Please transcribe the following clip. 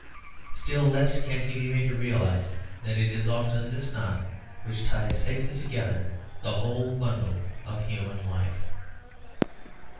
Still less can he be made to realise that it is often this knot which ties safely together the whole bundle of human life.